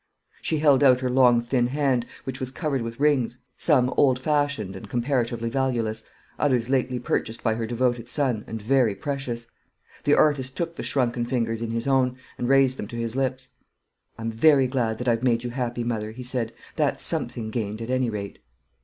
She held out her long thin hand, which was covered with rings, some old fashioned and comparatively valueless, others lately purchased by her devoted son, and very precious. The artist took the shrunken fingers in his own, and raised them to his lips. "I'm very glad that I've made you happy, mother," he said; "that's something gained, at any rate."